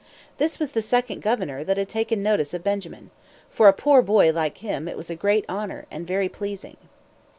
This was the second governor that had taken notice of Benjamin. For a poor boy, like him, it was a great honor, and very pleasing.